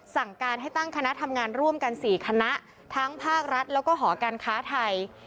สั่งการให้ตั้งคณะทำงานร่วมกัน๔คณะทั้งภาครัฐแล้วก็หอการค้าไทย